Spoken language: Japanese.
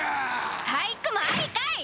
俳句もありかい！